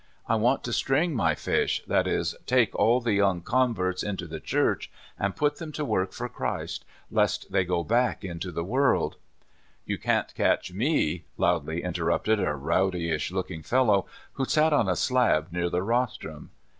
I want to string my fish — that is, take all the young converts into the Church, and put them to work for Christ, lest they go back into the world "— "You can't catch me I" loudly interrupted a rowdyish looking fellow who sat on a slab near the rostrum.